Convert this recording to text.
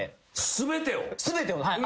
全てを。